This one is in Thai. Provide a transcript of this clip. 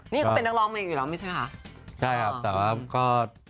นี่ก็เป็นนักลองไหมล่ะแม้มีใช่หรือมั้ยคะใช่ครับแต่ว่าก็